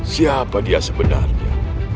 siapa dia sebenarnya